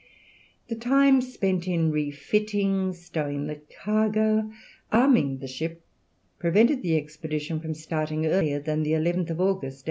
The time spent in refitting, stowing the cargo, arming the ship, prevented the expedition from starting earlier than the 11th of August, 1822.